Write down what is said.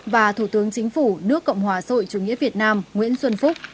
và thủ tướng chính phủ nước cộng hòa xã hội chủ nghĩa việt nam nguyễn xuân phúc